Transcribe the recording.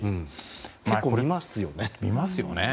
結構、見ますよね。